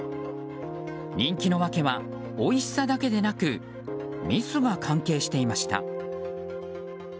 人気の訳はおいしさだけでなくミスが関係していました。